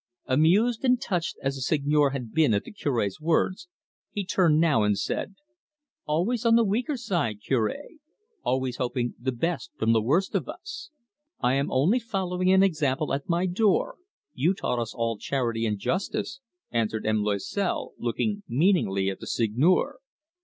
Amused and touched as the Seigneur had been at the Cure's words, he turned now and said: "Always on the weaker side, Cure; always hoping the best from the worst of us." "I am only following an example at my door you taught us all charity and justice," answered M. Loisel, looking meaningly at the Seigneur.